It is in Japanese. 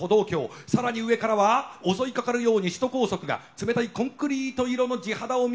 さらに上からは襲いかかるように首都高速が冷たいコンクリート色の地肌を見せつけている。